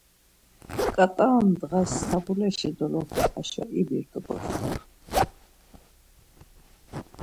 Ǩat̆a ndğas sapuleşi doloxe haşo ibirt̆u bozok.